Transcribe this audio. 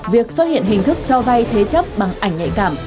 việc xuất hiện hình thức cho vay thế chấp bằng ảnh nhạy cảm